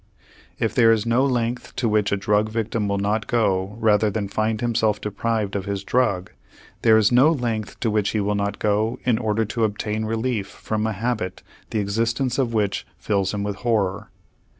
If there is no length to which a drug victim will not go rather than find himself deprived of his drug, there is no length to which he will not go in order to obtain relief from a habit the existence of which fills him with horror.